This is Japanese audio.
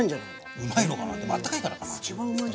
うまいのかなあったかいからかな。